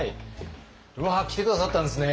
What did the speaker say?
うわ来て下さったんですね。